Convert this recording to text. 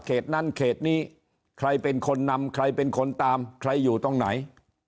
นั้นเขตนี้ใครเป็นคนนำใครเป็นคนตามใครอยู่ตรงไหน